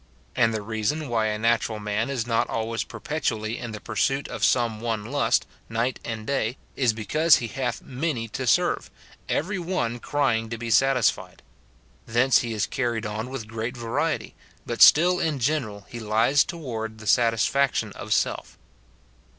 And the reason why a natural man is not always perpetually in the pursuit of some one lust, night and day, is because he hath many to serve, every one crying to be satisfied ; thence he is carried on with great variety, but still in general he lies towards the satisfaction of self.